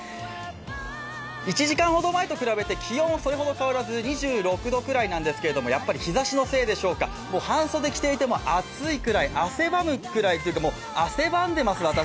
１時間ほど前と比べて気温はそれほど変わらず２６度くらいなんですけれども、やっぱり日ざしのせいでしょうか半袖着ていても暑いくらい汗ばむくらいとうか汗ばんでいます、私。